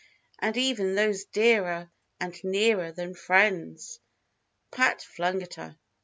"And even those dearer and nearer than friends!" Pat flung at her.